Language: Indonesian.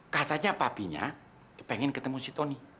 katanya papinya pengen ketemu si tony